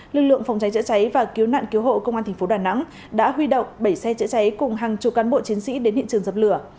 lực lượng phòng cháy chữa cháy và cứu nạn cứu hộ công an tp đà nẵng đã huy động bảy xe chữa cháy cùng hàng chục cán bộ chiến sĩ đến hiện trường dập lửa